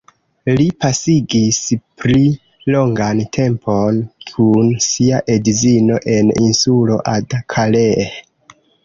Li pasigis pli longan tempon kun sia edzino en insulo Ada-Kaleh.